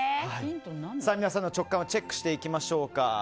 皆さんの直感をチェックしていきましょうか。